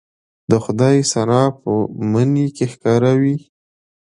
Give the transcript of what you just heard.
د خدای صنع په مني کې ښکاره وي